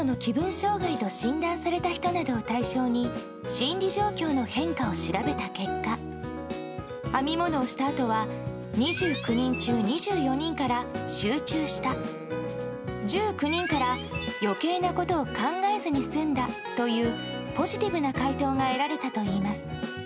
障害と診断された人などを対象に心理状況の変化を調べた結果編み物をしたあとは２９人中２４人から、集中した１９人から、余計なことを考えずに済んだというポジティブな回答が得られたといいます。